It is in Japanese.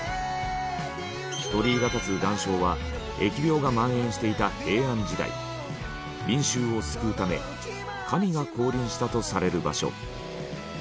鳥居が立つ岩礁は疫病が蔓延していた平安時代民衆を救うため神が降臨したとされる場所。